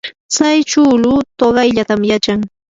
tsay chuulu tuqayllatam yachan.